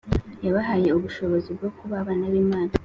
yabahaye ubushobozi bwo kuba abana b'Imana.